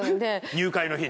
入会の日に？